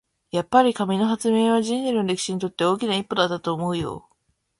やっぱり、紙の発明は人類の歴史にとって大きな一歩だったと思うよ。